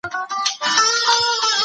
د کابل خلک د نوي واکمن د قدرت شاهدان شول.